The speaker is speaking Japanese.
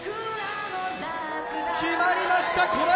決まりました！